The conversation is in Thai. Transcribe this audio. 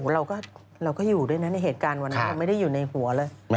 เราก็อยู่ด้วยนะในเหตุการณ์วันนั้นไม่ได้อยู่ในหัวเลย